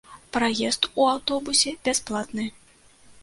Праезд у аўтобусе бясплатны.